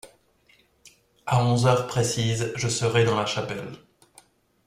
À onze heures précises je serai dans la chapelle.